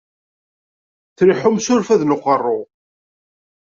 Tleḥḥum s urfad n uqerru.